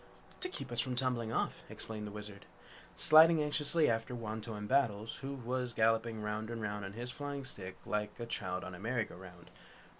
"To keep us from tumbling off," explained the Wizard, sliding anxiously after Wantowin Battles, who was galloping round and round on his flying stick like a child on a merry go round.